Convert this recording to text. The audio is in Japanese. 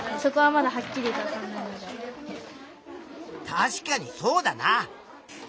確かにそうだな！